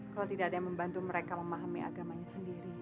kalau tidak ada yang membantu mereka memahami agamanya sendiri